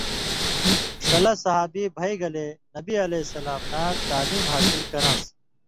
ݜلہ صحابہ بھئ گلے نبی علیہ السلام نہ تعلیم حاصل کران٘س